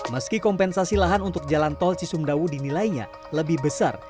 meski kompensasi lahan untuk jalan tol cisumdawu dinilainya lebih besar